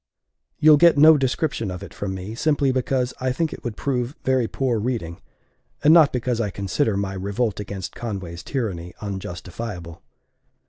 You'll get no description of it from me, simply because I think it would prove very poor reading, and not because I consider my revolt against Conway's tyranny unjustifiable.